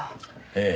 ええ。